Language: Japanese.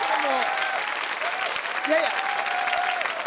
いやいや。